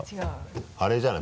あれじゃない？